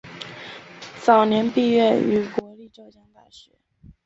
早年毕业于国立浙江大学。